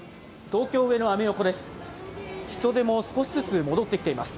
東京・上野、アメ横です。